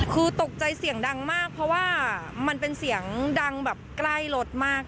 คือตกใจเสียงดังมากเพราะว่ามันเป็นเสียงดังแบบใกล้รถมาก